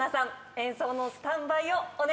演奏のスタンバイをお願いします。